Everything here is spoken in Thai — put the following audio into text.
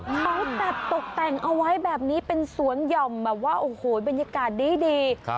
เขาตัดตกแต่งเอาไว้แบบนี้เป็นสวนหย่อมแบบว่าโอ้โหบรรยากาศดี